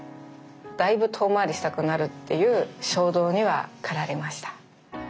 だいぶ遠回りしたくなるっていう衝動には駆られました。